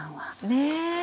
ねえ。